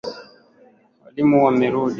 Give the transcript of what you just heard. Walimu wamerudi.